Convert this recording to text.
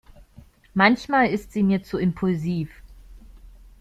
Manchmal ist sie mir zu impulsiv.